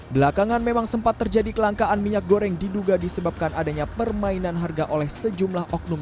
belakangan memang sempat terjadi kelangkaan minyak goreng diduga disebabkan adanya permainan harga oleh sejumlah oknum